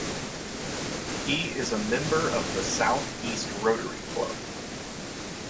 He is a member of the South East Rotary Club.